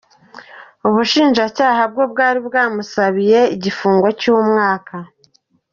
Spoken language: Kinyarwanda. Ubushinjacyaha bwo bwari bwamusabiye igifungo cy’umwaka.